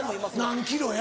何キロや？